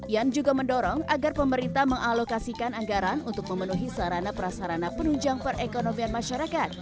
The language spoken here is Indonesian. yan juga mendorong agar pemerintah mengalokasikan anggaran untuk memenuhi sarana prasarana penunjang perekonomian masyarakat